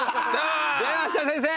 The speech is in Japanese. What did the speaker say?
・出ました先生！